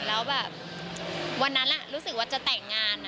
แล้วแบบวันนั้นรู้สึกว่าจะแต่งงาน